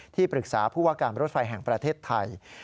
ที่ปรึกษาผู้ว่าการรถไฟแห่งประเทศไทย